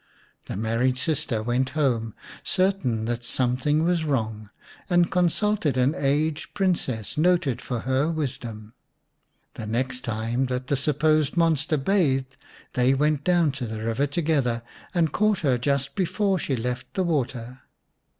The married sister went home certain that something was wrong, and consulted an aged Princess noted for her wisdom. The next time that the supposed monster bathed they went down to the river together and caught her just before she left the water.